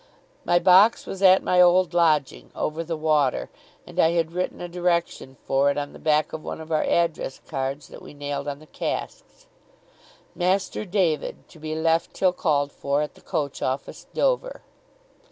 My box was at my old lodging, over the water, and I had written a direction for it on the back of one of our address cards that we nailed on the casks: 'Master David, to be left till called for, at the Coach Office, Dover.